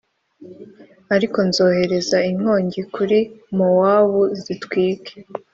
Ariko nzohereza inkongi kuri mowabu zitwike